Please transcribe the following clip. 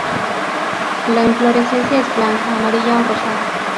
La inflorescencia es blanca, amarilla o rosada.